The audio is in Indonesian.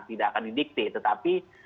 tidak akan didikti tetapi